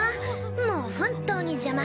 もう本当に邪魔。